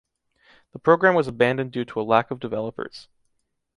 The program was abandoned due to a lack of developers.